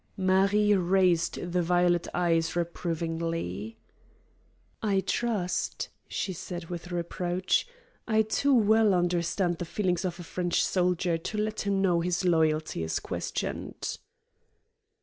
Marie raised the violet eyes reprovingly. "I trust," she said with reproach, "I too well understand the feelings of a French soldier to let him know his loyalty is questioned."